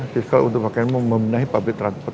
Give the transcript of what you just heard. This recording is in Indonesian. fiskal untuk membenahi public transport